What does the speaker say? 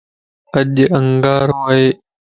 اڄ انڳارو ا